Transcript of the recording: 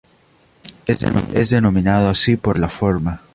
Es denominado así por la forma.